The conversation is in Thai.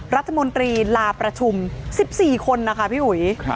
รัฐมนตรีลาประชุม๑๔คนนะคะพี่อุ๋ย